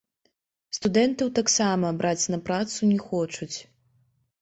Студэнтаў таксама браць на працу не хочуць.